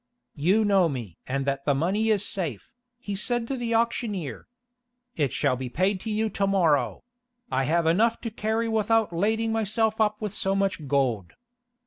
"You know me and that the money is safe," he said to the auctioneer. "It shall be paid to you to morrow; I have enough to carry without lading myself up with so much gold.